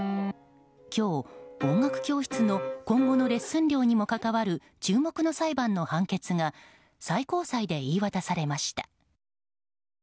今日、音楽教室の今後のレッスン料にも関わる注目の裁判の判決が最高裁で言い渡されました。